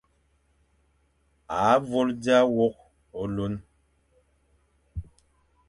A vôl dia wôkh ôlun,